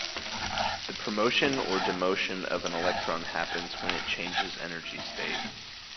The promotion or demotion of an electron happens when it changes energy state.